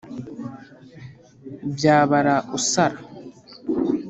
Byabara usara.